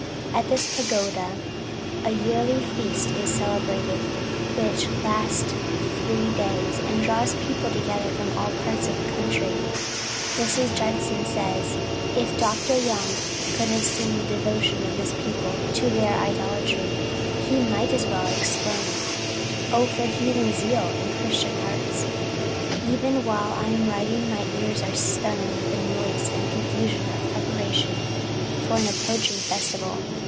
At this pagoda, a yearly feast is celebrated which lasts three days, and draws people together from all parts of the country. Mrs. Judson says "If Dr. Young could have seen the devotion of this people to their idolatry, he might well have exclaimed, 'O for a heathen zeal in Christian hearts!' Even while I am writing my ears are stunned with the noise and confusion of preparation for an approaching festival.